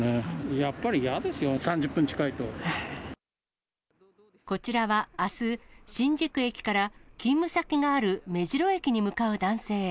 やっぱり嫌ですよ、こちらはあす、新宿駅から勤務先がある目白駅に向かう男性。